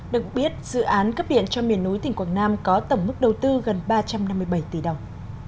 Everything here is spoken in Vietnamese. được biết dự án cấp điện cho miền núi tỉnh quảng nam có tổng mức đầu tư gần ba trăm năm mươi bảy tỷ đồng